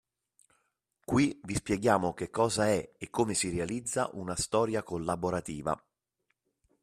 Qui vi spieghiamo che cosa è e come si realizza una storia collaborativa.